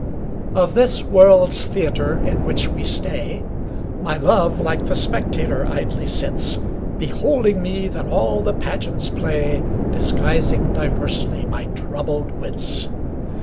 LIV Of this world's theatre in which we stay, My love like the spectator idly sits Beholding me that all the pageants play, Disguising diversely my troubled wits.